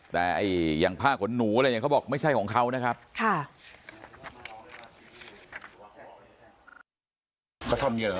แต่ไอ่อย่างผ้าขนหนูอะไรยังเขาบอกไม่ใช่ของเค้านะครับ